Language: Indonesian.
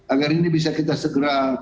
agar ini bisa kita segera